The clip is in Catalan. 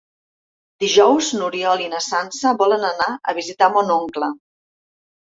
Dijous n'Oriol i na Sança volen anar a visitar mon oncle.